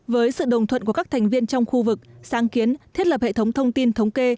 với sự đồng thuận của các thành viên trong khu vực sáng kiến thiết lập hệ thống thông tin thống kê